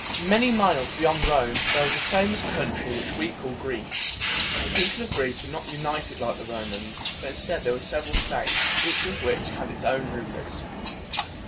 Many miles beyond Rome there was a famous country which we call Greece. The people of Greece were not u nit ed like the Romans; but instead there were sev er al states, each of which had its own rulers.